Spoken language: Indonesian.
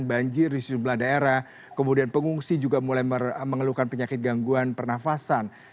banjir di sejumlah daerah kemudian pengungsi juga mulai mengeluhkan penyakit gangguan pernafasan